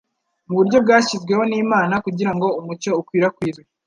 mu buryo bwashyizweho n'Imana kugira ngo umucyo ukwirakwizwe,